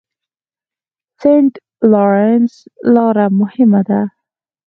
سینټ لارنس لاره مهمه ده.